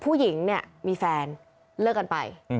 ผู้หญิงเนี่ยมีแฟนเลิกกันไป